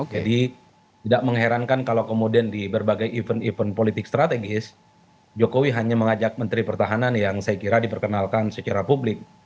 jadi tidak mengherankan kalau kemudian di berbagai event event politik strategis jokowi hanya mengajak menteri pertahanan yang saya kira diperkenalkan secara publik